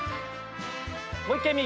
もう一回右。